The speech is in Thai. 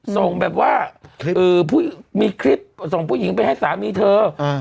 ส่งแบบว่าคลิปอือผู้มีคลิปส่งผู้หญิงไปให้สามีเธออ่า